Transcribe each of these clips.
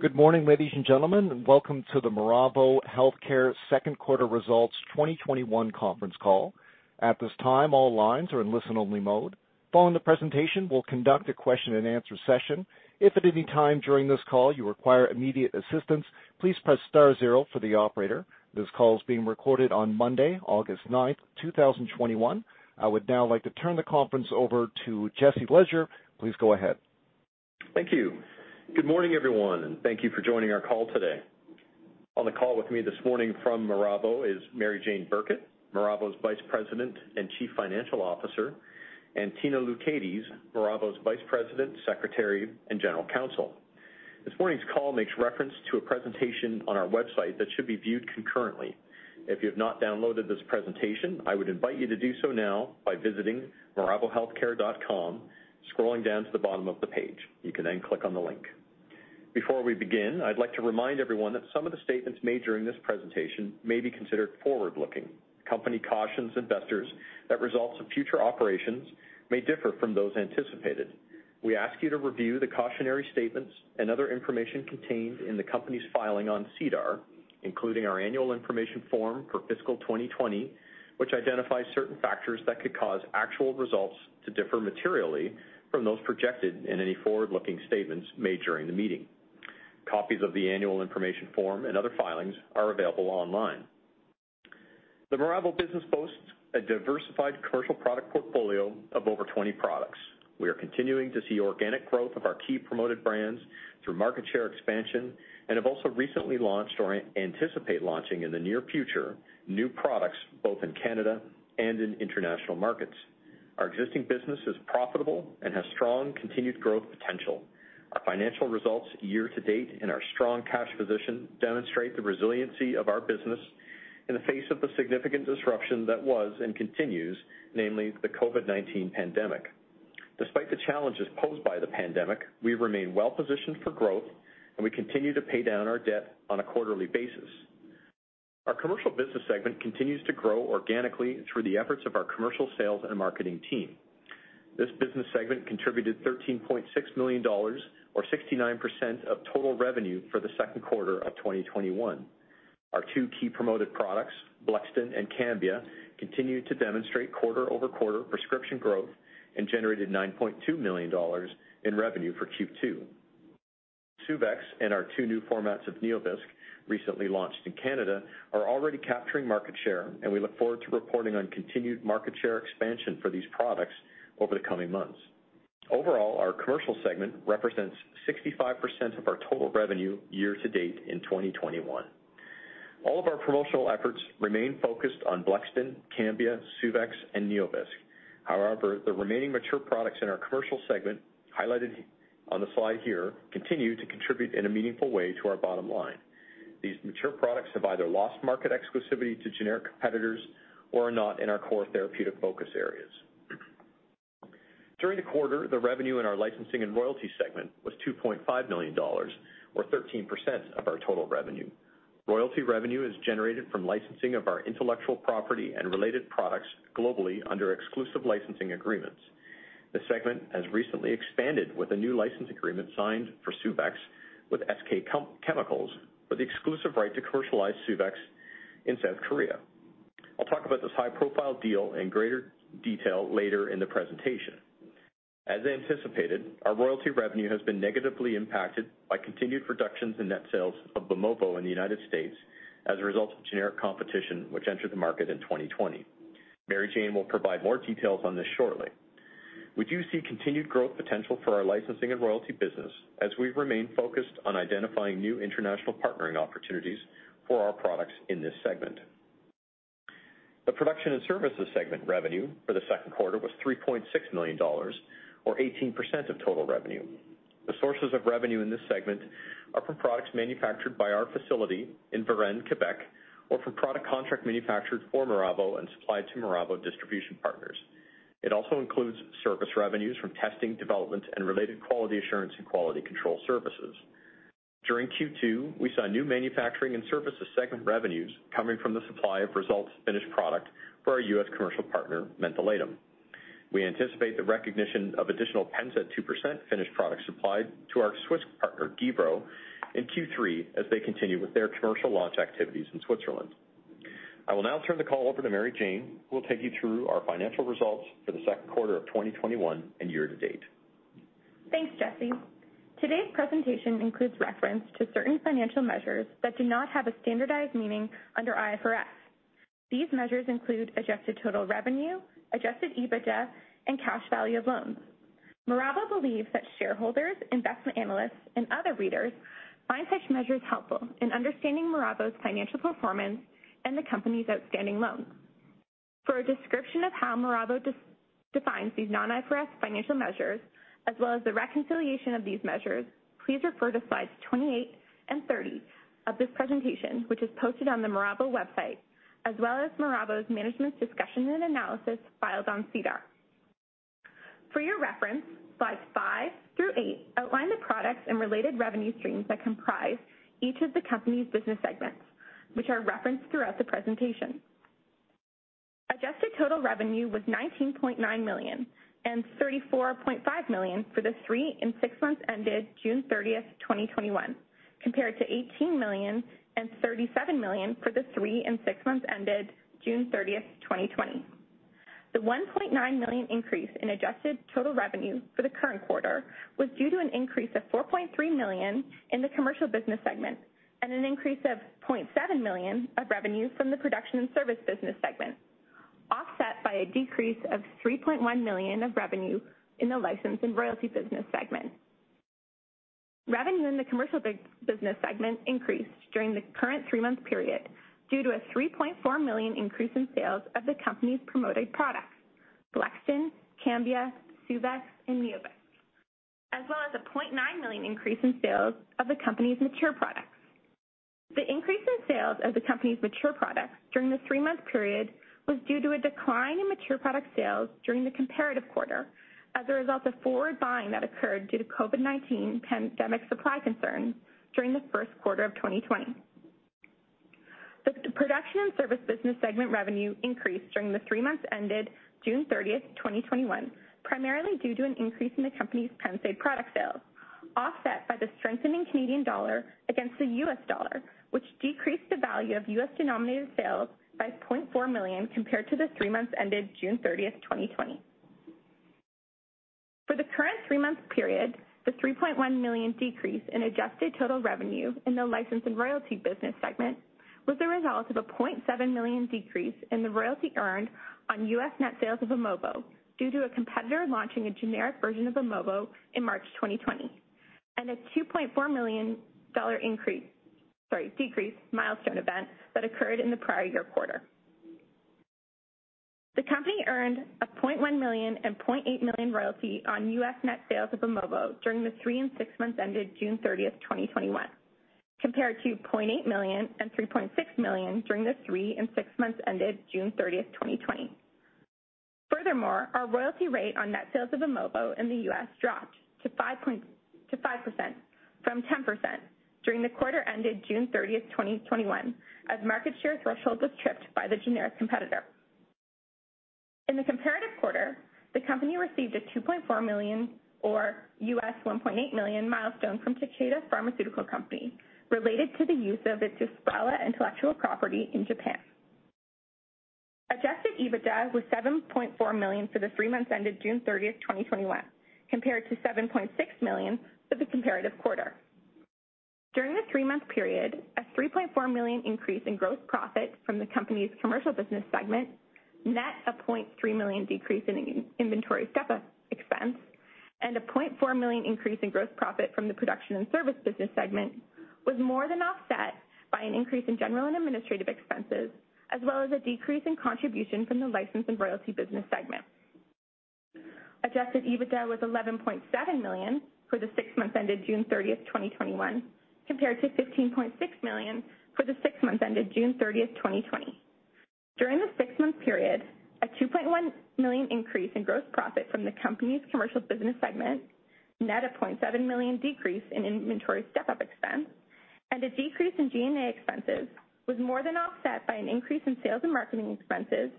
Good morning, ladies and gentlemen. Welcome to the Miravo Healthcare second quarter results 2021 conference call. At this time, all lines are in listen-only mode. Following the presentation, we'll conduct a question and answer session. If at any time during this call you require immediate assistance, please press star zero for the operator. This call is being recorded on Monday, August 9th, 2021. I would now like to turn the conference over to Jesse Ledger. Please go ahead. Thank you. Good morning, everyone, and thank you for joining our call today. On the call with me this morning from Miravo is Mary-Jane Burkett, Miravo's Vice President and Chief Financial Officer, and Tina K. Loucaides, Miravo's Vice President, Secretary, and General Counsel. This morning's call makes reference to a presentation on our website that should be viewed concurrently. If you have not downloaded this presentation, I would invite you to do so now by visiting miravohealthcare.com, scrolling down to the bottom of the page. You can then click on the link. Before we begin, I'd like to remind everyone that some of the statements made during this presentation may be considered forward-looking. The company cautions investors that results of future operations may differ from those anticipated. We ask you to review the cautionary statements and other information contained in the company's filing on SEDAR, including our annual information form for fiscal 2020, which identifies certain factors that could cause actual results to differ materially from those projected in any forward-looking statements made during the meeting. Copies of the annual information form and other filings are available online. The Miravo business boasts a diversified commercial product portfolio of over 20 products. We are continuing to see organic growth of our key promoted brands through market share expansion and have also recently launched or anticipate launching in the near future new products both in Canada and in international markets. Our existing business is profitable and has strong continued growth potential. Our financial results year to date and our strong cash position demonstrate the resiliency of our business in the face of the significant disruption that was and continues, namely the COVID-19 pandemic. Despite the challenges posed by the pandemic, we remain well positioned for growth, and we continue to pay down our debt on a quarterly basis. Our commercial business segment continues to grow organically through the efforts of our commercial sales and marketing team. This business segment contributed 13.6 million dollars or 69% of total revenue for the second quarter of 2021. Our two key promoted products, Blexten and Cambia, continued to demonstrate quarter-over-quarter prescription growth and generated 9.2 million dollars in revenue for Q2. Suvexx and our two new formats of NeoVisc, recently launched in Canada, are already capturing market share, and we look forward to reporting on continued market share expansion for these products over the coming months. Overall, our commercial segment represents 65% of our total revenue year to date in 2021. All of our promotional efforts remain focused on Blexten, Cambia, Suvexx, and NeoVisc. However, the remaining mature products in our commercial segment, highlighted on the slide here, continue to contribute in a meaningful way to our bottom line. These mature products have either lost market exclusivity to generic competitors or are not in our core therapeutic focus areas. During the quarter, the revenue in our licensing and royalty segment was 2.5 million dollars, or 13% of our total revenue. Royalty revenue is generated from licensing of our intellectual property and related products globally under exclusive licensing agreements. The segment has recently expanded with a new license agreement signed for Suvexx with SK Chemicals for the exclusive right to commercialize Suvexx in South Korea. I'll talk about this high-profile deal in greater detail later in the presentation. As anticipated, our royalty revenue has been negatively impacted by continued reductions in net sales of Vimovo in the United States as a result of generic competition which entered the market in 2020. Mary-Jane will provide more details on this shortly. We do see continued growth potential for our licensing and royalty business as we remain focused on identifying new international partnering opportunities for our products in this segment. The production and services segment revenue for the second quarter was 3.6 million dollars, or 18% of total revenue. The sources of revenue in this segment are from products manufactured by our facility in Varennes, Quebec, or from products contract manufactured for Miravo and supplied to Miravo distribution partners. It also includes service revenues from testing, development, and related quality assurance and quality control services. During Q2, we saw new manufacturing and services segment revenues coming from the supply of Resultz finished product for our U.S. commercial partner, Mentholatum. We anticipate the recognition of additional Pennsaid 2% finished products supplied to our Swiss partner, Gebro, in Q3 as they continue with their commercial launch activities in Switzerland. I will now turn the call over to Mary-Jane, who will take you through our financial results for the second quarter of 2021 and year to date. Thanks, Jesse. Today's presentation includes reference to certain financial measures that do not have a standardized meaning under IFRS. These measures include adjusted total revenue, adjusted EBITDA, and cash value of loans. Miravo believes that shareholders, investment analysts, and other readers find such measures helpful in understanding Miravo's financial performance and the company's outstanding loans. For a description of how Miravo defines these non-IFRS financial measures, as well as the reconciliation of these measures, please refer to Slide 28 and Slide 30 of this presentation, which is posted on the Miravo website, as well as Miravo's management's discussion and analysis filed on SEDAR. For your reference, slide five through slide eight outline the products and related revenue streams that comprise each of the company's business segments, which are referenced throughout the presentation. Adjusted total revenue was 19.9 million and 34.5 million for the three months and six months ended June 30th, 2021, compared to 18 million and 37 million for the three months and six months ended June 30th, 2020. The 1.9 million increase in adjusted total revenue for the current quarter was due to an increase of 4.3 million in the commercial business segment and an increase of 0.7 million of revenue from the production and service business segment, offset by a decrease of 3.1 million of revenue in the license and royalty business segment. Revenue in the Commercial Business segment increased during the current three-month period due to a 3.4 million increase in sales of the company's promoted products, Blexten, Cambia, Suvexx, and NeoVisc, as well as a 0.9 million increase in sales of the company's mature products. The increase in sales of the company's mature products during the three-month period was due to a decline in mature product sales during the comparative quarter as a result of forward buying that occurred due to COVID-19 pandemic supply concerns during the first quarter of 2020. The Production and Service Business segment revenue increased during the three months ended June 30th, 2021, primarily due to an increase in the company's Pennsaid product sales, offset by the strengthening Canadian dollar against the U.S. dollar, which decreased the value of U.S.-denominated sales by $0.4 million compared to the three months ended June 30th, 2020. For the current three-month period, the $3.1 million decrease in adjusted total revenue in the license and royalty business segment was a result of a $0.7 million decrease in the royalty earned on U.S. net sales of Vimovo due to a competitor launching a generic version of Vimovo in March 2020, and a $2.4 million decrease milestone event that occurred in the prior year quarter. The company earned a $0.1 million and $0.8 million royalty on U.S. net sales of Vimovo during the three and six months ended June 30th, 2021, compared to $0.8 million and $3.6 million during the three months and six months ended June 30th, 2020. Furthermore, our royalty rate on net sales of Vimovo in the U.S. dropped to 5% from 10% during the quarter ended June 30th, 2021, as market share threshold was tripped by the generic competitor. In the comparative quarter, the company received a 2.4 million or $1.8 million milestone from Takeda Pharmaceutical Company related to the use of its Yosprala intellectual property in Japan. Adjusted EBITDA was 7.4 million for the three months ended June 30th, 2021, compared to 7.6 million for the comparative quarter. During the three-month period, a 3.4 million increase in gross profit from the company's commercial business segment net a 0.3 million decrease in inventory step-up expense and a 0.4 million increase in gross profit from the production and service business segment was more than offset by an increase in general and administrative expenses, as well as a decrease in contribution from the license and royalty business segment. Adjusted EBITDA was 11.7 million for the six months ended June 30th, 2021, compared to 15.6 million for the six months ended June 30th, 2020. During the six-month period, a 2.1 million increase in gross profit from the company's commercial business segment net a 0.7 million decrease in inventory step-up expense and a decrease in G&A expenses was more than offset by an increase in sales and marketing expenses,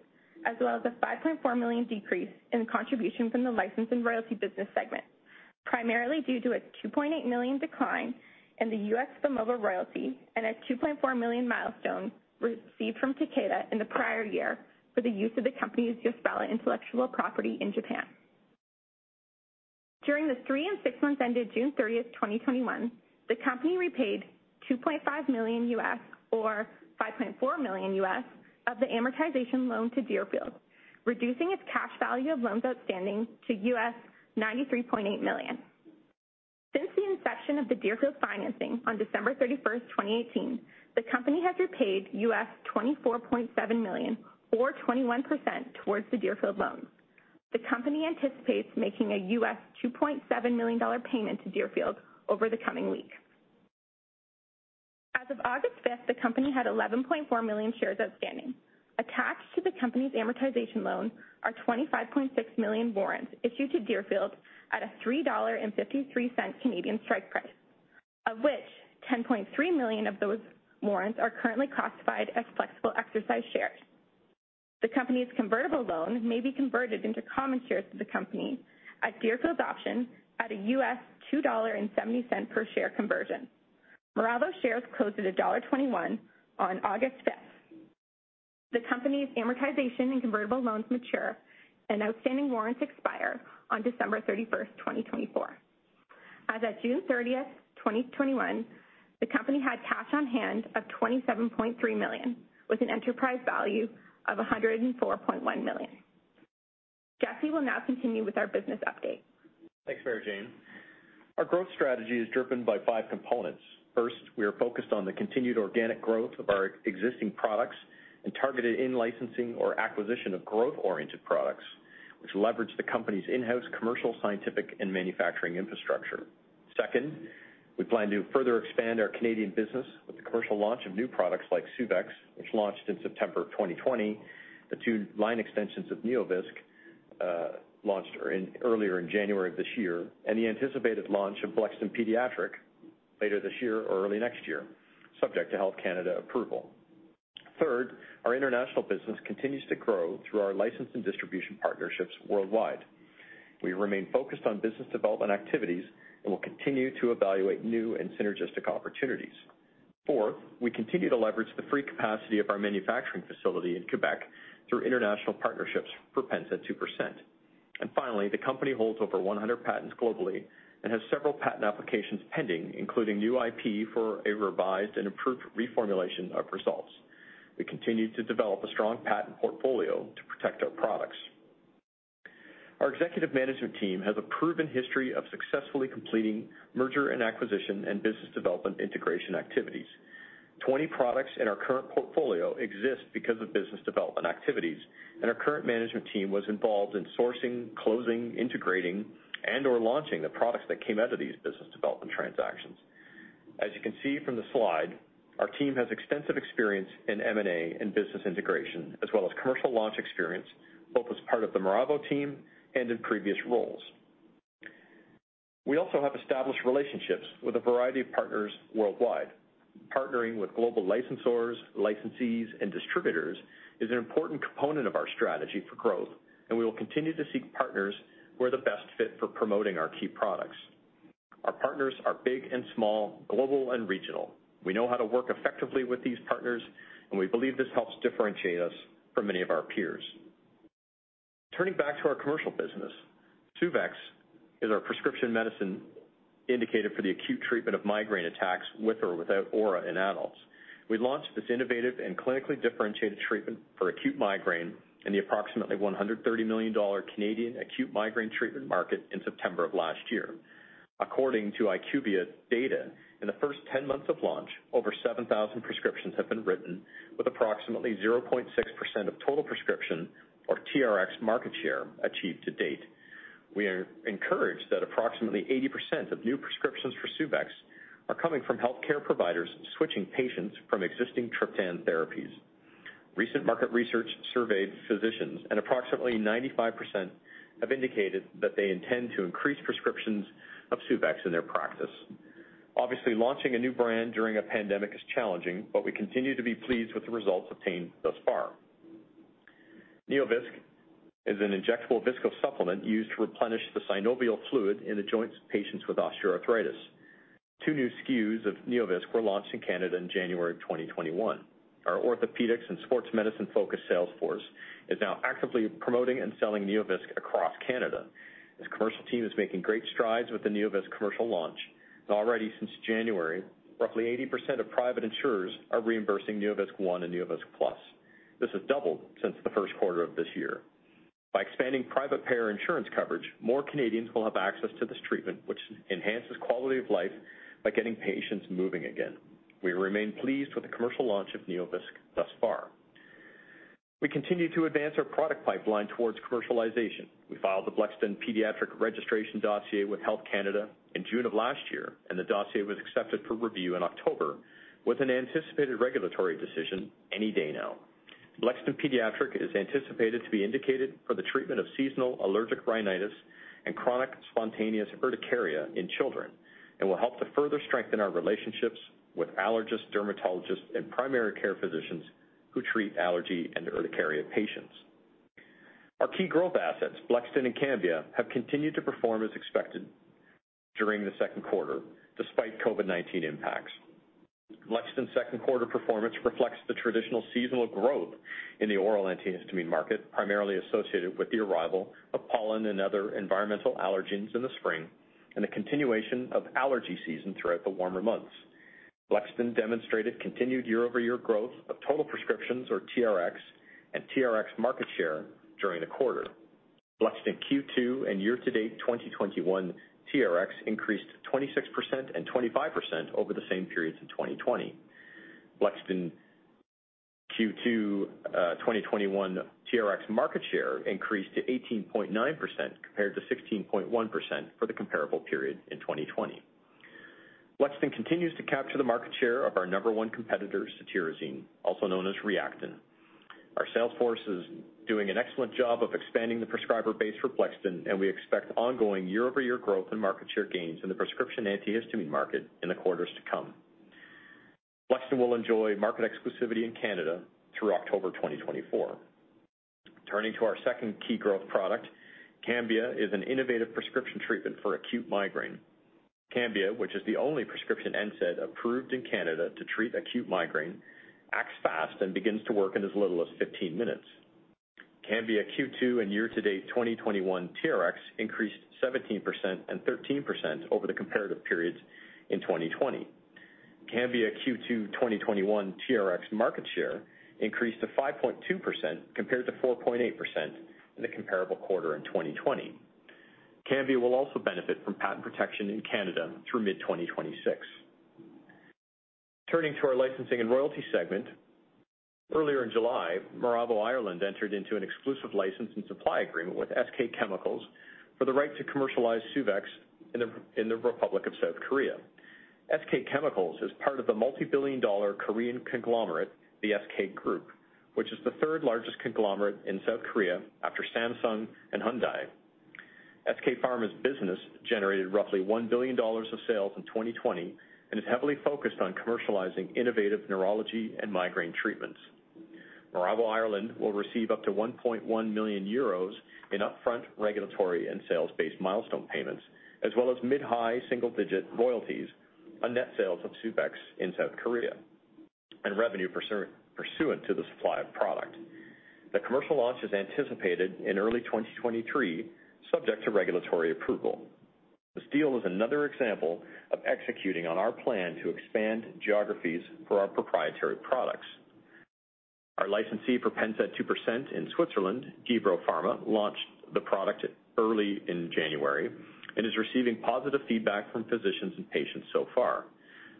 as well as a 5.4 million decrease in contribution from the license and royalty business segment, primarily due to a 2.8 million decline in the U.S. Vimovo royalty and a 2.4 million milestone received from Takeda in the prior year for the use of the company's Yosprala intellectual property in Japan. During the three and six months ended June 30th, 2021, the company repaid $2.5 million US or $5.4 million US of the amortization loan to Deerfield, reducing its cash value of loans outstanding to $93.8 million. Since the inception of the Deerfield financing on December 31st, 2018, the company has repaid $24.7 million or 21% towards the Deerfield loan. The company anticipates making a $2.7 million payment to Deerfield over the coming weeks. As of August 5th, the company had 11.4 million shares outstanding. Attached to the company's amortization loan are 25.6 million warrants issued to Deerfield at a 3.53 Canadian dollars strike price, of which 10.3 million of those warrants are currently classified as flexible exercise shares. The company's convertible loan may be converted into common shares of the company at Deerfield's option at a $2.70 per share conversion. Miravo shares closed at dollar 1.21 on August 5th. The company's amortization and convertible loans mature and outstanding warrants expire on December 31st, 2024. As of June 30th, 2021, the company had cash on hand of 27.3 million, with an enterprise value of 104.1 million. Jesse will now continue with our business update. Thanks, Mary-Jane. Our growth strategy is driven by five components. First, we are focused on the continued organic growth of our existing products and targeted in licensing or acquisition of growth-oriented products, which leverage the company's in-house commercial, scientific, and manufacturing infrastructure. Second, we plan to further expand our Canadian business with the commercial launch of new products like Suvexx, which launched in September of 2020, the two line extensions of NeoVisc, launched earlier in January of this year, and the anticipated launch of Blexten Pediatric later this year or early next year, subject to Health Canada approval. Third, our international business continues to grow through our license and distribution partnerships worldwide. We remain focused on business development activities and will continue to evaluate new and synergistic opportunities. Fourth, we continue to leverage the free capacity of our manufacturing facility in Quebec through international partnerships for Pennsaid 2%. Finally, the company holds over 100 patents globally and has several patent applications pending, including new IP for a revised and improved reformulation of Resultz. We continue to develop a strong patent portfolio to protect our products. Our executive management team has a proven history of successfully completing merger and acquisition and business development integration activities. 20 products in our current portfolio exist because of business development activities, and our current management team was involved in sourcing, closing, integrating, and/or launching the products that came out of these business development transactions. As you can see from the slide, our team has extensive experience in M&A and business integration, as well as commercial launch experience, both as part of the Miravo team and in previous roles. We also have established relationships with a variety of partners worldwide. Partnering with global licensors, licensees, and distributors is an important component of our strategy for growth, and we will continue to seek partners who are the best fit for promoting our key products. Our partners are big and small, global and regional. We know how to work effectively with these partners, and we believe this helps differentiate us from many of our peers. Turning back to our commercial business, Suvexx is our prescription medicine indicated for the acute treatment of migraine attacks with or without aura in adults. We launched this innovative and clinically differentiated treatment for acute migraine in the approximately 130 million Canadian dollars Canadian acute migraine treatment market in September of last year. According to IQVIA data, in the first 10 months of launch, over 7,000 prescriptions have been written with approximately 0.6% of total prescription or TRX market share achieved to date. We are encouraged that approximately 80% of new prescriptions for Suvexx are coming from healthcare providers switching patients from existing triptan therapies. Recent market research surveyed physicians, and approximately 95% have indicated that they intend to increase prescriptions of Suvexx in their practice. Obviously, launching a new brand during a pandemic is challenging, but we continue to be pleased with the results obtained thus far. NeoVisc is an injectable viscosupplement used to replenish the synovial fluid in the joints of patients with osteoarthritis. Two new SKUs of NeoVisc were launched in Canada in January of 2021. Our orthopedics and sports medicine-focused sales force is now actively promoting and selling NeoVisc across Canada. This commercial team is making great strides with the NeoVisc commercial launch. Already since January, roughly 80% of private insurers are reimbursing NeoVisc ONE and NeoVisc+. This has doubled since the first quarter of this year. By expanding private payer insurance coverage, more Canadians will have access to this treatment, which enhances quality of life by getting patients moving again. We remain pleased with the commercial launch of NeoVisc thus far. We continue to advance our product pipeline towards commercialization. We filed the Blexten Pediatric registration dossier with Health Canada in June of last year, and the dossier was accepted for review in October with an anticipated regulatory decision any day now. Blexten Pediatric is anticipated to be indicated for the treatment of seasonal allergic rhinitis and chronic spontaneous urticaria in children and will help to further strengthen our relationships with allergists, dermatologists, and primary care physicians who treat allergy and urticaria patients. Our key growth assets, Blexten and Cambia, have continued to perform as expected during the second quarter, despite COVID-19 impacts. Blexten second quarter performance reflects the traditional seasonal growth in the oral antihistamine market, primarily associated with the arrival of pollen and other environmental allergens in the spring and the continuation of allergy season throughout the warmer months. Blexten demonstrated continued year-over-year growth of total prescriptions or TRX and TRX market share during the quarter. Blexten Q2 and year-to-date 2021 TRX increased 26% and 25% over the same periods in 2020. Blexten Q2 2021 TRX market share increased to 18.9% compared to 16.1% for the comparable period in 2020. Blexten continues to capture the market share of our number one competitor, cetirizine, also known as Reactine. Our sales force is doing an excellent job of expanding the prescriber base for Blexten, and we expect ongoing year-over-year growth and market share gains in the prescription antihistamine market in the quarters to come. Blexten will enjoy market exclusivity in Canada through October 2024. Turning to our second key growth product, Cambia is an innovative prescription treatment for acute migraine. Cambia, which is the only prescription NSAID approved in Canada to treat acute migraine, acts fast and begins to work in as little as 15 minutes. Cambia Q2 and year-to-date 2021 TRX increased 17% and 13% over the comparative periods in 2020. Cambia Q2 2021 TRX market share increased to 5.2% compared to 4.8% in the comparable quarter in 2020. Cambia will also benefit from patent protection in Canada through mid-2026. Turning to our licensing and royalty segment. Earlier in July, Miravo Ireland entered into an exclusive license and supply agreement with SK Chemicals for the right to commercialize Suvexx in the Republic of South Korea. SK Chemicals is part of the multibillion-dollar Korean conglomerate, the SK Group, which is the third largest conglomerate in South Korea after Samsung and Hyundai. SK Pharma's business generated roughly $1 billion of sales in 2020, and is heavily focused on commercializing innovative neurology and migraine treatments. Miravo Ireland will receive up to 1.1 million euros in upfront regulatory and sales-based milestone payments, as well as mid- to high single-digit royalties on net sales of Suvexx in South Korea, and revenue pursuant to the supply of product. The commercial launch is anticipated in early 2023, subject to regulatory approval. This deal is another example of executing on our plan to expand geographies for our proprietary products. Our licensee for Pennsaid 2% in Switzerland, Gebro Pharma, launched the product early in January and is receiving positive feedback from physicians and patients so far.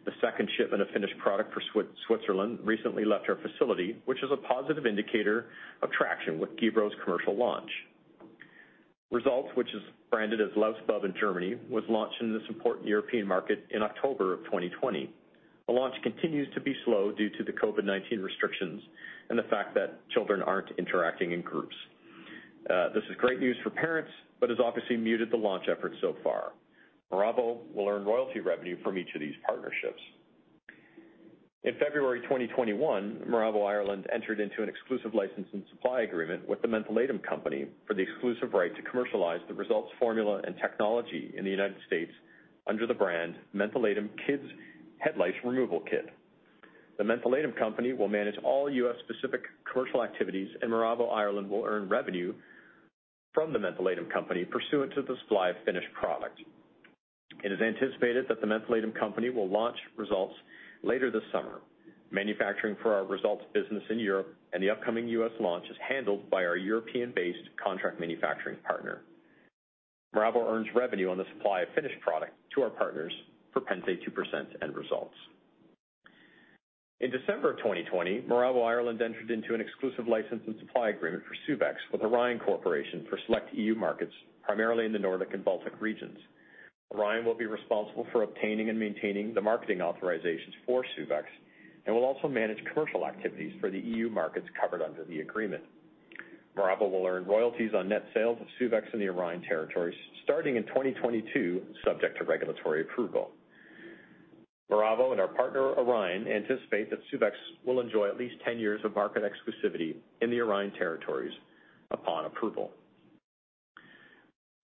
The second shipment of finished product for Switzerland recently left our facility, which is a positive indicator of traction with Gebro Pharma's commercial launch. Resultz, which is branded as Lausbub in Germany, was launched in this important European market in October of 2020. The launch continues to be slow due to the COVID-19 restrictions and the fact that children aren't interacting in groups. This is great news for parents, but has obviously muted the launch efforts so far. Miravo will earn royalty revenue from each of these partnerships. In February 2021, Miravo Healthcare Ireland entered into an exclusive license and supply agreement with The Mentholatum Company for the exclusive right to commercialize the Resultz formula and technology in the United States under the brand Mentholatum Kids Head Lice Removal Kit. The Mentholatum Company will manage all U.S.-specific commercial activities, and Miravo Ireland will earn revenue from the Mentholatum Company pursuant to the supply of finished product. It is anticipated that the Mentholatum Company will launch Resultz later this summer. Manufacturing for our Resultz business in Europe and the upcoming U.S. launch is handled by our European-based contract manufacturing partner. Miravo earns revenue on the supply of finished product to our partners for Pennsaid 2% and Resultz. In December of 2020, Miravo Ireland entered into an exclusive license and supply agreement for Suvexx with Orion Corporation for select EU markets, primarily in the Nordic and Baltic regions. Orion will be responsible for obtaining and maintaining the marketing authorizations for Suvexx and will also manage commercial activities for the EU markets covered under the agreement. Miravo will earn royalties on net sales of Suvexx in the Orion territories starting in 2022, subject to regulatory approval. Miravo and our partner, Orion, anticipate that Suvexx will enjoy at least 10 years of market exclusivity in the Orion territories upon approval.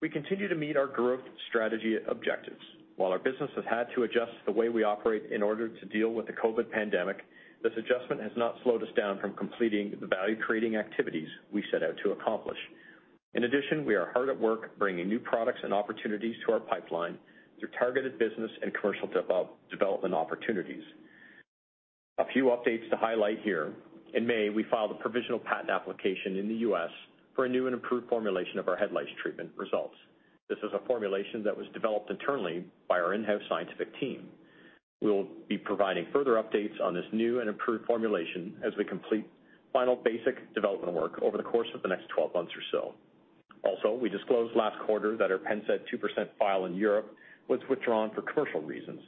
We continue to meet our growth strategy objectives. While our business has had to adjust the way we operate in order to deal with the COVID-19 pandemic, this adjustment has not slowed us down from completing the value-creating activities we set out to accomplish. In addition, we are hard at work bringing new products and opportunities to our pipeline through targeted business and commercial development opportunities. A few updates to highlight here. In May, we filed a provisional patent application in the U.S. for a new and improved formulation of our head lice treatment, Resultz. This is a formulation that was developed internally by our in-house scientific team. We will be providing further updates on this new and improved formulation as we complete final basic development work over the course of the next 12 months or so. Also, we disclosed last quarter that our Pennsaid 2% filing in Europe was withdrawn for commercial reasons.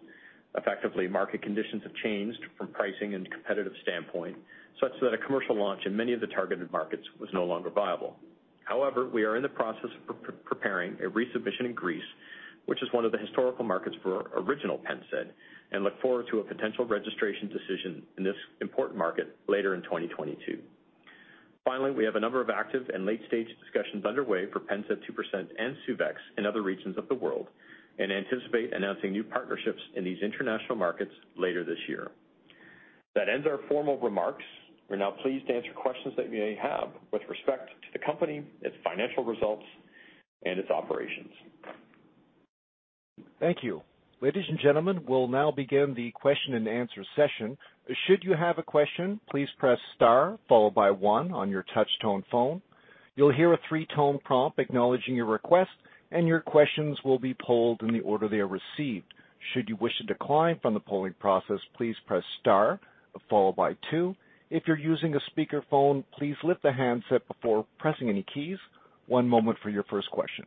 Effectively, market conditions have changed from a pricing and competitive standpoint, such that a commercial launch in many of the targeted markets was no longer viable. However, we are in the process of preparing a resubmission in Greece, which is one of the historical markets for original Pennsaid 2%, and look forward to a potential registration decision in this important market later in 2022. Finally, we have a number of active and late-stage discussions underway for Pennsaid 2% and Suvexx in other regions of the world, and anticipate announcing new partnerships in these international markets later this year. That ends our formal remarks. We're now pleased to answer questions that you may have with respect to the company, its financial results, and its operations. Thank you. Ladies and gentlemen, we'll now begin the question and answer session. Should you have a question, please press star followed by one on your touch tone phone. You'll hear a three-tone prompt acknowledging your request, and your questions will be polled in the order they are received. Should you wish to decline from the polling process, please press star followed by two. If you're using a speakerphone, please lift the handset before pressing any keys. One moment for your first question.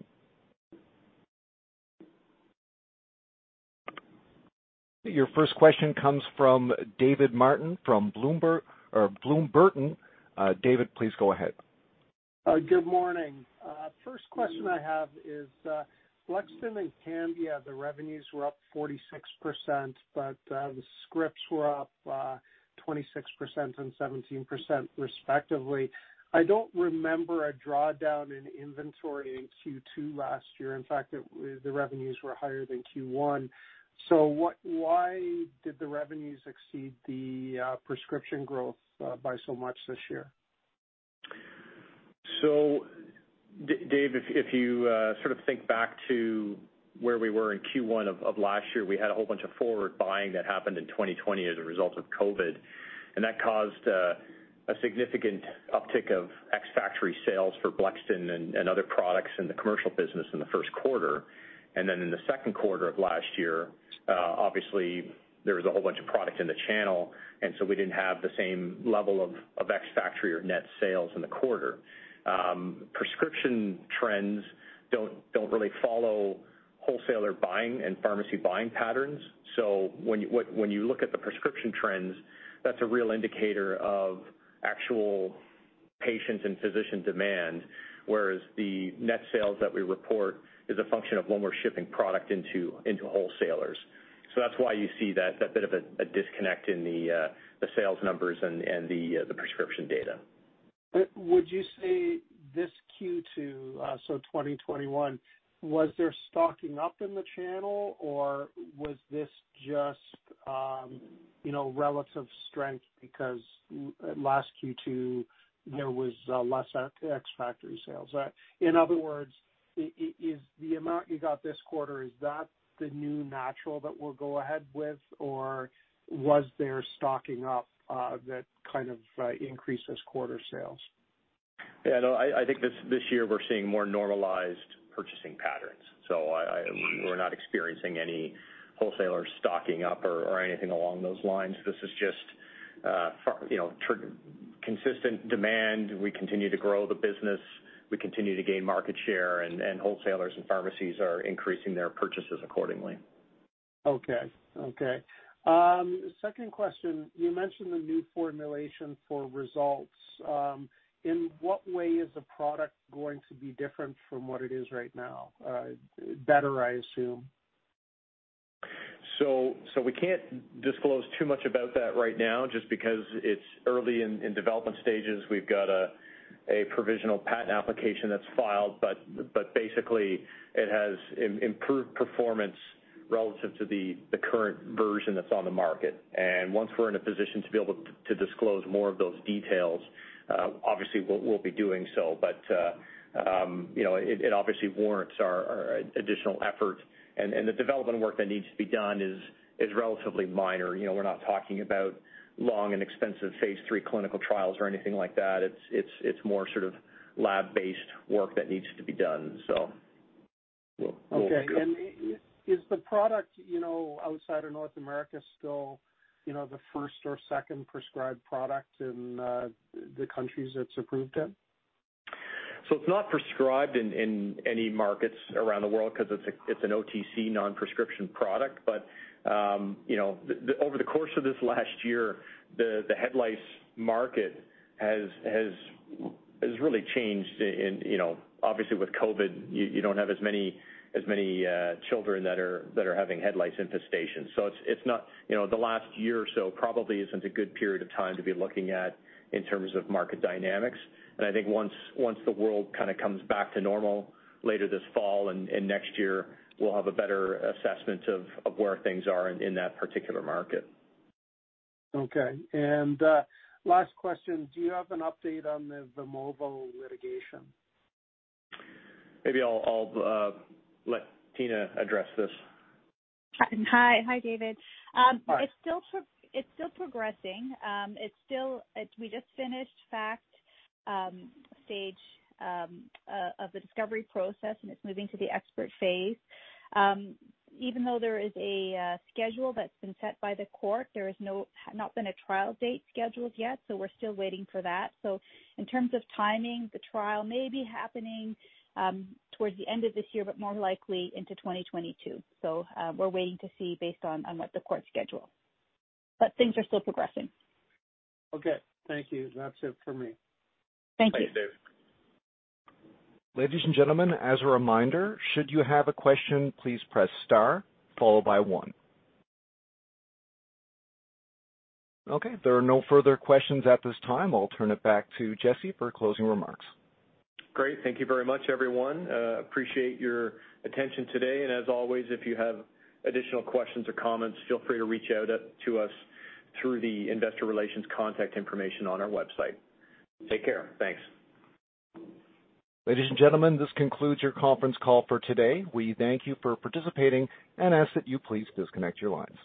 Your first question comes from David Martin from Bloom Burton. David, please go ahead. Good morning. First question I have is, Blexten and Cambia, the revenues were up 46%, but the scripts were up 26% and 17% respectively. I don't remember a drawdown in inventory in Q2 last year. In fact, the revenues were higher than Q1. Why did the revenues exceed the prescription growth by so much this year? Dave, if you think back to where we were in Q1 of last year, we had a whole bunch of forward buying that happened in 2020 as a result of COVID, and that caused a significant uptick of ex-factory sales for Blexten and other products in the commercial business in the first quarter. Then in the second quarter of last year, obviously there was a whole bunch of product in the channel, and so we didn't have the same level of ex-factory or net sales in the quarter. Prescription trends don't really follow wholesaler buying and pharmacy buying patterns. When you look at the prescription trends, that's a real indicator of actual patients and physician demand, whereas the net sales that we report is a function of when we're shipping product into wholesalers. That's why you see that bit of a disconnect in the sales numbers and the prescription data. Would you say this Q2, so 2021, was there stocking up in the channel or was this just relative strength because last Q2 there was less ex-factory sales? In other words, is the amount you got this quarter the new normal that we'll go ahead with? Or was there stocking up that kind of increases quarter sales? Yeah, no, I think this year we're seeing more normalized purchasing patterns. We're not experiencing any wholesaler stocking up or anything along those lines. This is just consistent demand. We continue to grow the business. We continue to gain market share, and wholesalers and pharmacies are increasing their purchases accordingly. Okay. Second question. You mentioned the new formulation for Resultz. In what way is the product going to be different from what it is right now? Better, I assume. We can't disclose too much about that right now just because it's early in development stages. We've got a provisional patent application that's filed, but basically it has improved performance relative to the current version that's on the market. Once we're in a position to be able to disclose more of those details, obviously, we'll be doing so. It obviously warrants our additional effort and the development work that needs to be done is relatively minor. We're not talking about long and expensive phase III clinical trials or anything like that. It's more sort of lab-based work that needs to be done. We'll see. Okay. Is the product outside of North America still the first or second prescribed product in the countries it's approved in? It's not prescribed in any markets around the world because it's an OTC non-prescription product. Over the course of this last year, the head lice market has really changed. Obviously, with COVID, you don't have as many children that are having head lice infestations. The last year or so probably isn't a good period of time to be looking at in terms of market dynamics. I think once the world kind of comes back to normal later this fall and next year, we'll have a better assessment of where things are in that particular market. Okay. Last question, do you have an update on the Vimovo litigation? Maybe I'll let Tina address this. Hi, David. Hi. It's still progressing. We just finished fact stage of the discovery process, and it's moving to the expert phase. Even though there is a schedule that's been set by the court, there has not been a trial date scheduled yet, so we're still waiting for that. In terms of timing, the trial may be happening towards the end of this year, but more likely into 2022. We're waiting to see based on what the courts schedule. Things are still progressing. Okay. Thank you. That's it for me. Thank you. Thank you, David. Ladies and gentlemen, as a reminder, should you have a question, please press star followed by one. Okay, if there are no further questions at this time, I'll turn it back to Jesse for closing remarks. Great. Thank you very much, everyone. Appreciate your attention today. As always, if you have additional questions or comments, feel free to reach out to us through the investor relations contact information on our website. Take care. Thanks. Ladies and gentlemen, this concludes your conference call for today. We thank you for participating and ask that you please disconnect your lines.